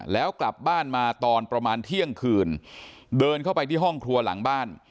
แล้วกลับบ้านมาตอนประมาณเที่ยงคืนเดินเข้าไปที่ห้องครัวหลังบ้าน